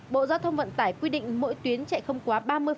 bộ giao thông vận tải quy định mỗi tuyến chạy không quá ba mươi